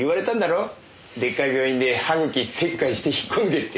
でっかい病院で歯茎切開して引っこ抜けって。